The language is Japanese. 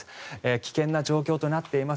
危険な状況となっています。